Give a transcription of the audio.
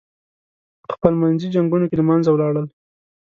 پخپل منځي جنګونو کې له منځه ولاړل.